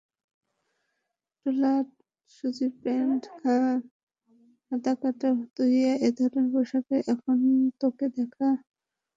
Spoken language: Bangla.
ঢোলা সুতির প্যান্ট, হাতাকাটা ফতুয়া—এ ধরনের পোশাকেই এখন তাঁকে দেখা যাচ্ছে মঞ্চে।